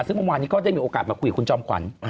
ซึ่งเมื่อวานนี้ก็ได้มีโอกาสมาคุยกับคุณจอมขวัญ